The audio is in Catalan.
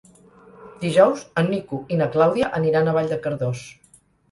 Dijous en Nico i na Clàudia aniran a Vall de Cardós.